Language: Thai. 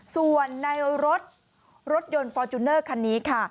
ส่วนในรถรถยนต์ฟอร์จูเนอร์คันนี้ค่ะ